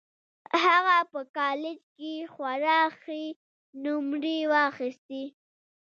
هغه په کالج کې خورا ښې نومرې واخيستې